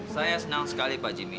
saya senang sekali pak jimmy